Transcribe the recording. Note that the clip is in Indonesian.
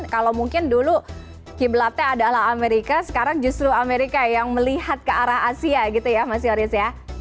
kalau mungkin dulu kiblatnya adalah amerika sekarang justru amerika yang melihat ke arah asia gitu ya mas yoris ya